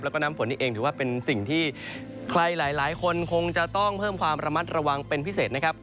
แล้วก็น้ำฝนนี่เองถือว่าเป็นสิ่งที่ใครหลายคนคงจะต้องเพิ่มความระมัดระวังเป็นพิเศษนะครับ